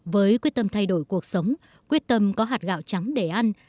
với quyết tâm thay đổi cuộc sống quyết tâm có hạt gạo trắng để ăn